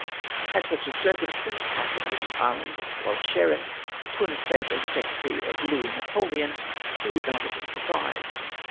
Had such a circumstance happened in the island of Walcheren to an estate of the Secretary of Louis Napoleon, he would not have been surprised.